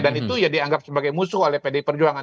dan itu ya dianggap sebagai musuh oleh pdi perjuangan